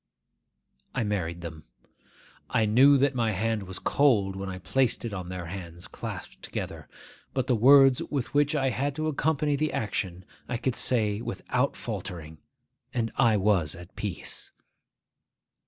I married them. I knew that my hand was cold when I placed it on their hands clasped together; but the words with which I had to accompany the action I could say without faltering, and I was at peace.